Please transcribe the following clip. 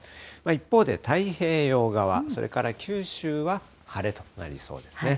一方で太平洋側、それから九州は晴れとなりそうですね。